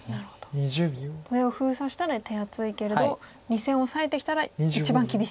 上を封鎖したら手厚いけれど２線オサえてきたら一番厳しい。